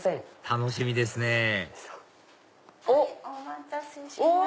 楽しみですねお待たせしました！